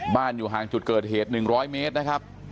อยู่ห่างจุดเกิดเหตุ๑๐๐เมตรนะครับ